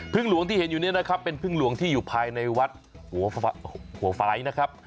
หลวงที่เห็นอยู่เนี่ยนะครับเป็นพึ่งหลวงที่อยู่ภายในวัดหัวไฟล์นะครับ